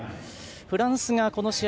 フランスがこの試合